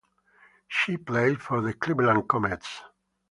She played for the Cleveland Comets.